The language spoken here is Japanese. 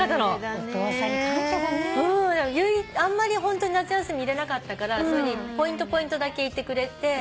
あんまりホントに夏休みいれなかったからポイントポイントだけいてくれて。